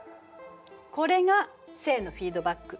これが正のフィードバック。